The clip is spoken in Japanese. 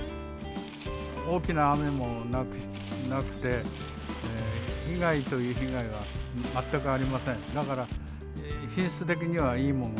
大きな雨もなくて、被害という被害は全くありません。